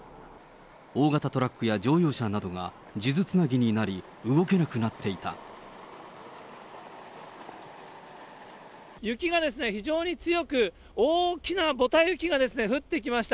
大型トラックや乗用車などが数珠つなぎになり、動けなくなってい雪が非常に強く、大きなぼた雪が降ってきました。